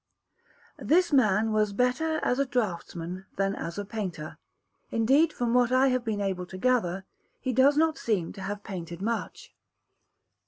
This man was better as a draughtsman than as a painter; indeed, from what I have been able to gather, he does not seem to have painted much.